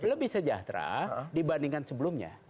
lebih sejahtera dibandingkan sebelumnya